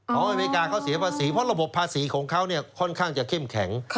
อเมริกาเขาเสียภาษีเพราะระบบภาษีของเขาค่อนข้างจะเข้มแข็ง